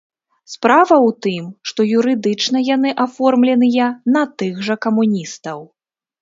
Справа ў тым, што юрыдычна яны аформленыя на тых жа камуністаў.